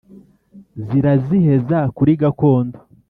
Ziraziheza kuri gakondo